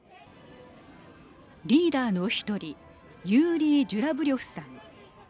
リーダーの１人ユーリー・ジュラブリョフさん。